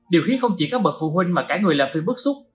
điều khiến không chỉ các bậc phụ huynh mà cả người làm phim bức xúc